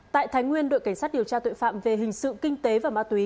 tại thái nguyên đội cảnh sát điều tra tội phạm về hình sự kinh tế và ma túy